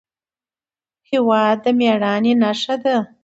هېواد د مېړانې نښه ده.